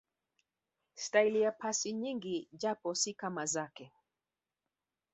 staili ya pasi nyingi japo siyo kama zake